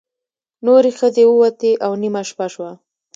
نورې ښځې ووتې او نیمه شپه شوه.